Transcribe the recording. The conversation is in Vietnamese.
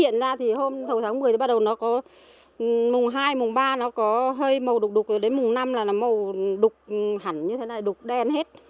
nó có hơi màu đục đục đến mùa năm là màu đục hẳn như thế này đục đen hết